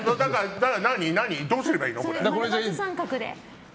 どうすればいいの？